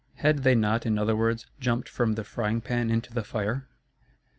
Had they not, in other words, jumped from the frying pan into the fire?